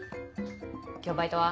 今日バイトは？